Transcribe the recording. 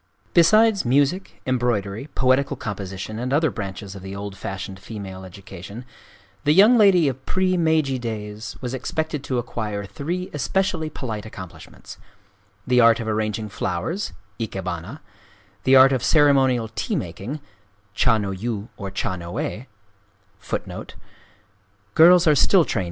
Besides music, embroidery, poetical composition and other branches of the old fashioned female education, the young lady of pre Meiji days was expected to acquire three especially polite accomplishments,—the art of arranging flowers, (ikébana), the art of ceremonial tea making (cha no yu or cha no e), and the etiquette of incense parties (kō kwai or kō é).